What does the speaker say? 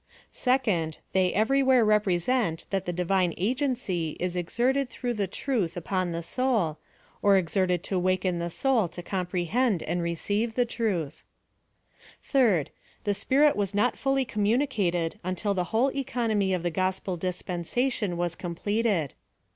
Second, They every where reprcsen* that the Di P^4N OF SALVATION. 24ri Vine agency is exerted through the truth upon the soul, or exerted to awaken tlie soul to apprehend and receive the truth. Third, The Spirit was not fully communicated until the whole economy of the gospel dispensation was completed.